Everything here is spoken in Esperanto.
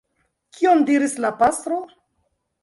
Kion diris la pastro?